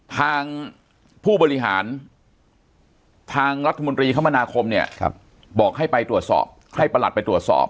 ทางผู้บริหารทางรัฐมนตรีคมนาคมเนี่ยบอกให้ไปตรวจสอบให้ประหลัดไปตรวจสอบ